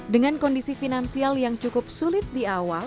dengan kondisi finansial yang cukup sulit di awal